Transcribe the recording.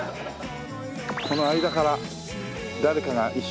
この間から誰かが一瞬。